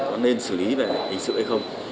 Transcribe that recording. có nên xử lý về hình sự hay không